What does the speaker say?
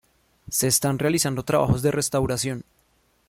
Se están realizando trabajos de restauración.